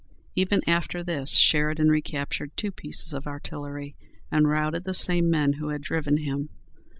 Even after this Sheridan recaptured two pieces of artillery, and routed the same men who had driven him.